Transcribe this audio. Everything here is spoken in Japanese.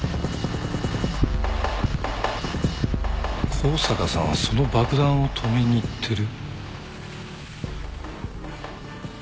香坂さんはその爆弾を止めに行ってる。